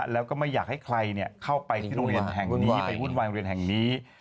แล้วก็ไม่อยากให้ใครเข้าไปที่โรงเรียนแห่งนี้ไปวุ่นวายโรงเรียนแห่งนี้